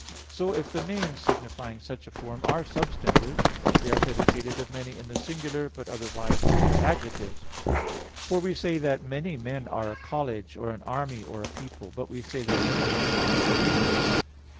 So if the names signifying such a form are substantives, they are predicated of many in the singular, but otherwise if they adjectives. For we say that many men are a college, or an army, or a people; but we say that many men are collegians.